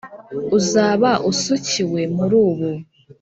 uzaba usukiwe mu rubu.